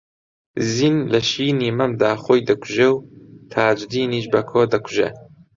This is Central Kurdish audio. زین لە شینی مەمدا خۆی دەکوژێ و تاجدینیش بەکۆ دەکوژێ